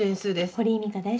堀井美香です。